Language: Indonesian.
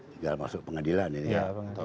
tinggal masuk pengadilan ini ya